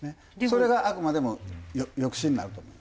それがあくまでも抑止になると思います。